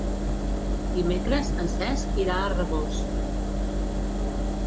Dimecres en Cesc irà a Rabós.